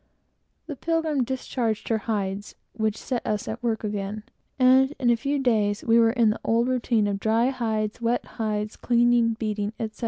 The Pilgrim discharged her hides, which set us at work again, and in a few days we were in the old routine of dry hides wet hides cleaning beating, etc.